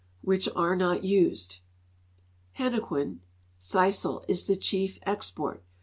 which are not used. Hennequen (sisal) is the chief export.